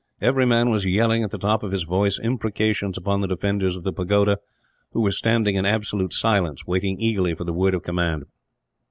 Every man was yelling, at the top of his voice, imprecations upon the defenders of the pagoda; who were standing in absolute silence, waiting eagerly for the word of command.